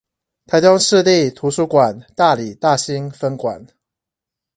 臺中市立圖書館大里大新分館